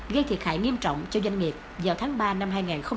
gây thiệt hại nghiêm trọng cho doanh nghiệp vào tháng ba năm hai nghìn một mươi bảy